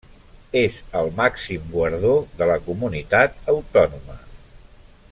És el màxim guardó de la comunitat autònoma.